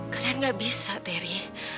kalian nggak bisa teri